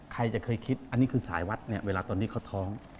ใครจะเคยคิดอันนี้คือสายวัดเนี่ยเวลาตอนนี้เขาท้อง